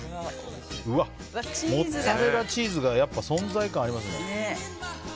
モッツァレラチーズがやっぱ存在感ありますね。